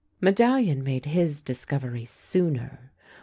Medallion made his discovery sooner.